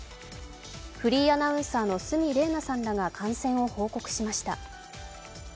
フリーアナウンサーの鷲見玲奈さんらが感染を報告しました。